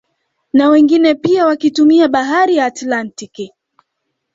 Na wengine pia wakitumia bahari ya Atlantiki